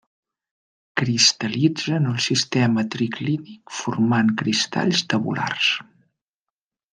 Cristal·litza en el sistema triclínic formant cristalls tabulars.